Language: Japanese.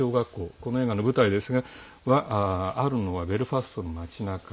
この映画の舞台ですがあるのはベルファストの町なか。